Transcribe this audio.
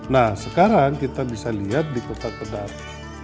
nah sekarang kita bisa lihat di kota kedap